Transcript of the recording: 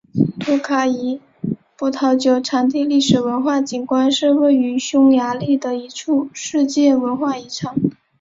托卡伊葡萄酒产地历史文化景观是位于匈牙利的一处世界文化遗产。